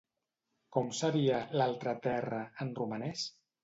Com seria "l'altra terra" en romanès?